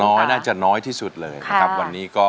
น้อยน่าจะน้อยที่สุดเลยนะครับ